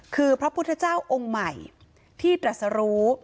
คือพระพุทธเจ้าองค์ใหม่ที่ตรัสรู้